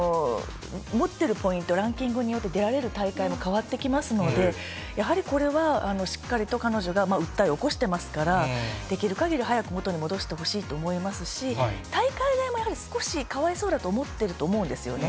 持ってるポイント、ランキングによって、出られる大会も変わってきますので、やはりこれはしっかりと彼女が訴えを起こしてますから、できるかぎり、早く元に戻してほしいと思いますし、大会側もやはり、少しかわいそうだと思ってると思うんですよね。